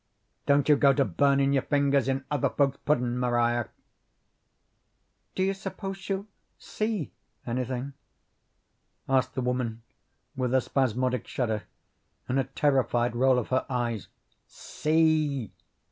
"Don't you go to burnin' your fingers in other folks' puddin', Maria." "Do you s'pose she'll see anything?" asked the woman with a spasmodic shudder and a terrified roll of her eyes. "See!"